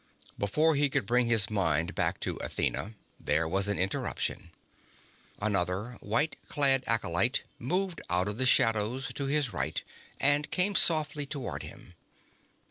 Before he could bring his mind back to Athena, there was an interruption. Another white clad acolyte moved out of the shadows to his right and came softly toward him.